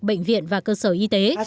bệnh viện và cơ sở y tế